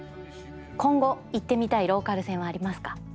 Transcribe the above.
今後行ってみたいローカル線はありますか？